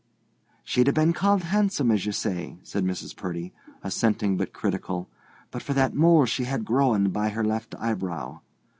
"She'd a been called handsome, as you say," said Mrs. Purdy, assenting but critical, "but for that mole she had a growin' by her left eyebrow.